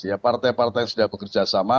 ya partai partai sudah bekerja sama